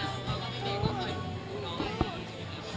น้อย